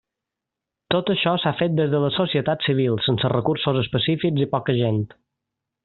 Tot això s'ha fet des de la societat civil, sense recursos específics i poca gent.